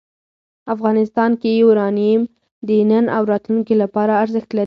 افغانستان کې یورانیم د نن او راتلونکي لپاره ارزښت لري.